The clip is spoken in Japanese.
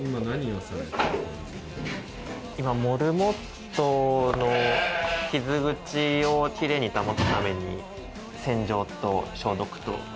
今、モルモットの傷口を綺麗に保つために洗浄と消毒と。